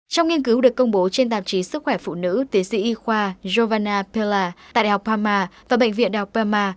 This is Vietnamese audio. trong nghiên cứu được công bố trên tạp chí sức khỏe phụ nữ tiến sĩ y khoa giovanna pella tại đại học parma và bệnh viện đại học parma